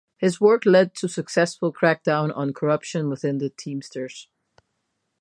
His work led to a successful crack-down on corruption within the Teamsters.